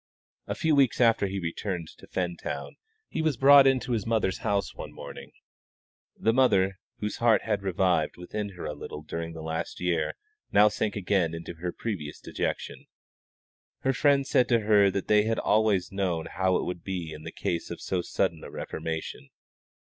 A few weeks after he had returned to Fentown he was brought into his mother's house one morning dead drunk. The mother, whose heart had revived within her a little during the last year, now sank again into her previous dejection. Her friends said to her that they had always known how it would be in the case of so sudden a reformation.